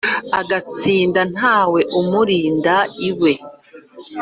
agatsinda ntawe umurinda iwe